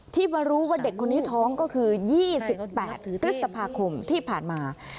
ที่มารู้ว่าเด็กคนนี้ท้องก็คือ๒๘พฤษภาคมที่ผ่านมา